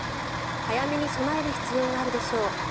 早めに備える必要があるでしょう。